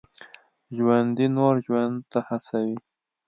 ژوندي نور ژوند ته هڅوي